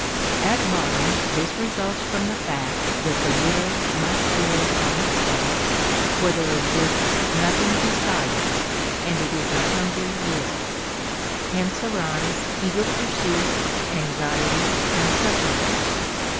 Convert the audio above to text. At bottom this results from the fact that the will must live on itself, for there exists nothing beside it, and it is a hungry will. Hence arise eager pursuit, anxiety, and suffering.